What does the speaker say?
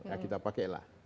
ya kita pakai lah